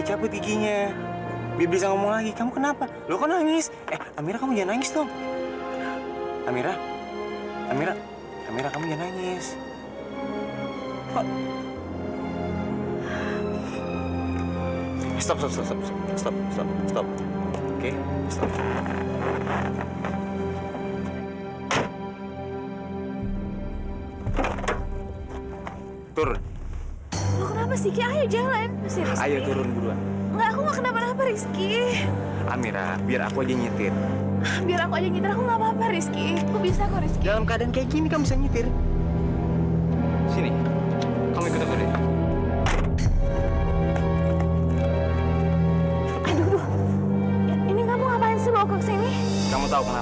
apa aku harus berdoa